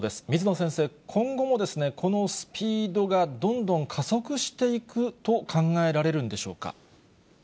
水野先生、今後もこのスピードがどんどん加速していくと考えられるんでしょうか。